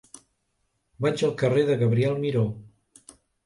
Vaig al carrer de Gabriel Miró.